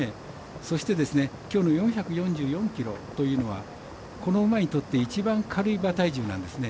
そしてきょうの４４４ｋｇというのはこの馬にとって一番軽い馬体重なんですね。